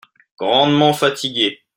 Grandement fatigué.